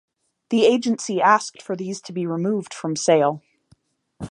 The Agency asked for these to be removed from sale.